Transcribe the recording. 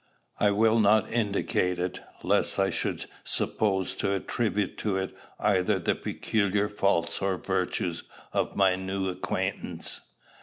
I will not indicate it, lest I should be supposed to attribute to it either the peculiar faults or virtues of my new acquaintance.